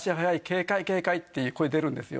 警戒警戒」っていう声出るんですよ。